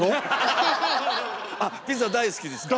あっピザ大好きですか。